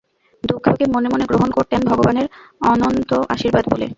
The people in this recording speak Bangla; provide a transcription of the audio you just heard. দুঃখকে মনে মনে গ্রহণ করতেন ভগবানের অনন্ত আশীর্বাদ বলে।